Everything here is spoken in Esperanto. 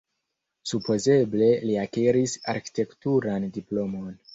Supozeble li akiris arkitekturan diplomon.